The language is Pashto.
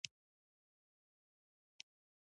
غونډه د نوروز په ورځ جوړېده.